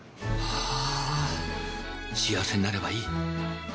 はぁ幸せになればいい。